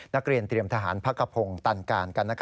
นักเรียนเตรียมทหารพักกระพงศ์ตันการกัน